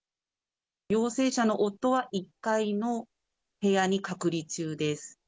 陽性者の夫は１階の部屋に隔離中です。